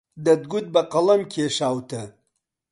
دەتگوت بە قەڵەم کێشاوتە